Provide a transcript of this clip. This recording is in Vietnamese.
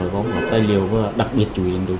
có một tài liệu đặc biệt chủ yếu